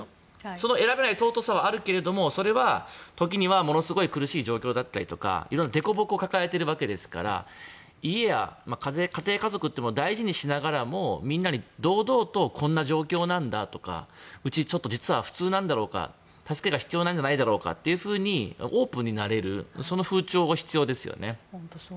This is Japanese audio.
その尊さがあるからそれは時にはものすごい苦しい状況だったり凸凹を抱えているわけですから家や家庭家族というものを大事にしながらもみんなに堂々とこんな状況なんだとかうち、実は普通なんだろうか助けが必要なんじゃないだろうかとかオープンになれるそういう風潮が必要ですよね。